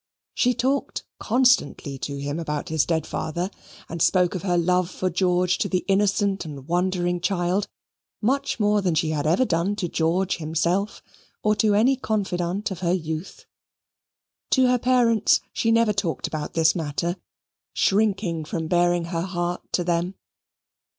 She talked constantly to him about this dead father, and spoke of her love for George to the innocent and wondering child; much more than she ever had done to George himself, or to any confidante of her youth. To her parents she never talked about this matter, shrinking from baring her heart to them.